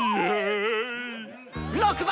・６番！